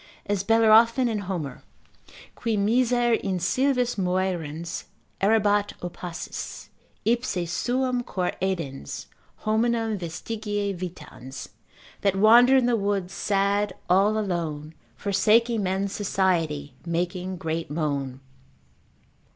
As Bellerophon in Homer, Qui miser in sylvis moerens errabat opacis, Ipse suum cor edens, hominum vestigia vitans. That wandered in the woods sad all alone, Forsaking men's society, making great moan.